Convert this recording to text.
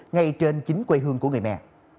ngay trên chính quê hương của người mẹ